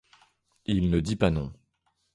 Il ne dit pas non.